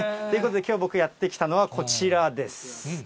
なので、きょう僕がやって来たのは、こちらです。